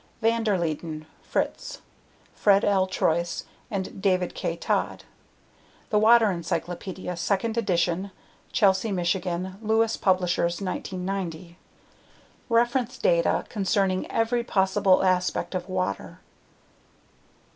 ven der Leeden, Frits, Fred L. Troise, and David K. Todd. The Water Encyclopedia, Second Edition. Chelsea, Mich.: Lewis Publishers, 1990. Reference data concerning every possible aspect of water.